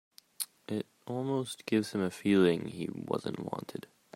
It almost gives him a feeling he wasn't wanted.